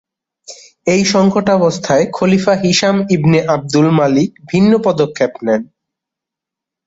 এই সঙ্কটাবস্থায় খলিফা হিশাম ইবনে আবদুল মালিক ভিন্ন পদক্ষেপ নেন।